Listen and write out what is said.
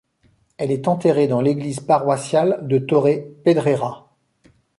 Elle est enterrée dans l'église paroissiale de Torre Pedrera.